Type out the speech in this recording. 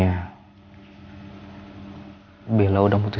aku wilang cuek cuek